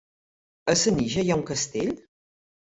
A Senija hi ha un castell?